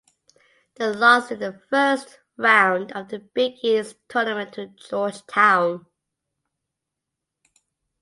They lost in the first round of the Big East Tournament to Georgetown.